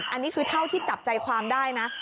อันนี้คือเท่าที่จับใจความได้นะ